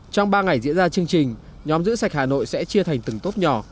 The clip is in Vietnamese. trong ba ngày diễn ra chương trình nhóm giữ sạch hà nội sẽ chia thành từng tốp nhỏ